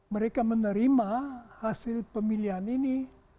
mereka menerima hasil pemilihan ini